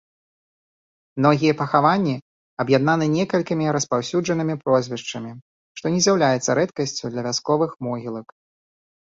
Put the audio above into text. Многія пахаванні аб'яднаны некалькімі распаўсюджанымі прозвішчамі, што не з'яўляецца рэдкасцю для вясковых могілак.